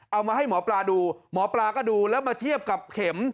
เอามาให้หมอปลาดูหมอปลาก็ดูแล้วมาเทียบกับเข็ม